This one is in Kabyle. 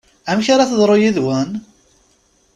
Amek ara teḍru yid-wen?